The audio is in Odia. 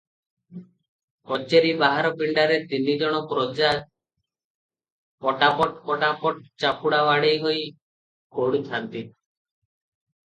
କଚେରି ବାହାର ପିଣ୍ତାରେ ତିନିଜଣ ପ୍ରଜା ପଟାପଟ୍ ପଟାପଟ୍ ଚାପୁଡ଼ା ବାଡ଼େଇ ହୋଇ ଗଡୁଥାନ୍ତି ।